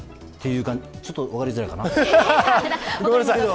ちょっと分かりづらいかな？